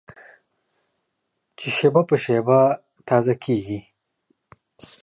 چې شېبه په شېبه تازه کېږي.